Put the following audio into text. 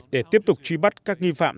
để tiếp tục truy bắt các nghi phạm